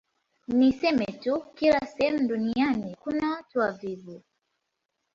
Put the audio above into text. Niseme tu kila sehemu duniani kuna watu wavivu